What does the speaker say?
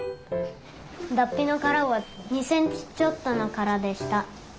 だっぴのからは２センチちょっとのからでした。